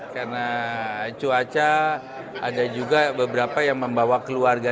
karena cuaca ada juga beberapa yang membawa keluarga